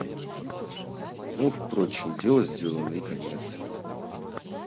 Ну, впрочем, дело сделано, и конец.